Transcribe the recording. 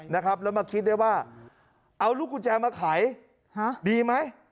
นะครับแล้วมาคิดได้ว่าเอาลูกกุญแจมาไขดีไหม